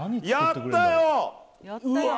やったよ！